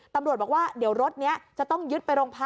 ตำรวจบอกว่าเดี๋ยวรถนี้จะต้องยึดไปโรงพัก